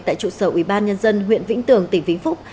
tại trụ sở ubnd huyện vĩnh tường tỉnh vĩnh phúc